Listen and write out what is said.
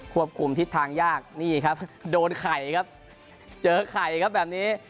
คุมทิศทางยากนี่ครับโดนไข่ครับเจอไข่ครับแบบนี้